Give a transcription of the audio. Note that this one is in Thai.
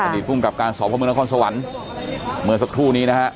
ดีตภูมิกับการสอบพระเมืองนครสวรรค์เมื่อสักครู่นี้นะฮะ